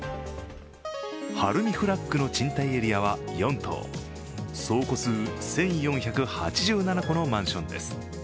ＨＡＲＵＭＩＦＬＡＧの賃貸エリアは４棟、総戸数１４８７戸のマンションです。